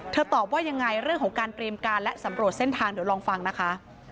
ตอบว่ายังไงเรื่องของการเตรียมการและสำรวจเส้นทางเดี๋ยวลองฟังนะคะ